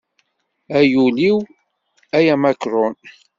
Ay ul-iw ay amakrun.